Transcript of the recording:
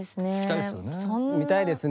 見たいですね。